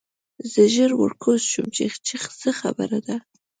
زه ژر ورکوز شوم چې څه خبره ده